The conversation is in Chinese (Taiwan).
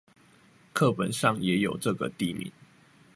課本上也有這個地名